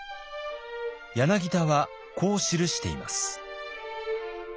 柳田はこう記しています。